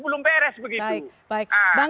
belum beres begitu